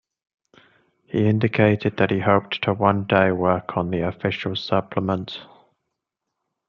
He indicated that he hoped to one day work on the official supplement.